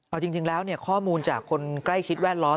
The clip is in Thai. เอาจริงแล้วข้อมูลจากคนใกล้ชิดแวดล้อม